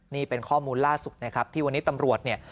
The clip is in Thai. นี่เป็นข้อมูลล่าสุดนะครับที่วันนี้ตำรวจเนี่ย